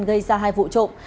gây ra hai vụ trộm